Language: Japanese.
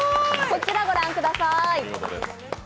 こちら御覧ください。